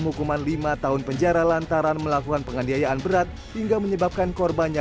hukuman lima tahun penjara lantaran melakukan penganiayaan berat hingga menyebabkan korbannya